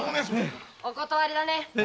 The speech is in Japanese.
お断りだね。